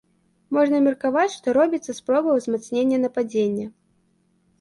Можна меркаваць, што робіцца спроба ўзмацнення нападзення.